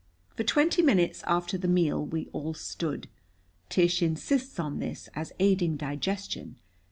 For twenty minutes after the meal we all stood. Tish insists on this, as aiding digestion.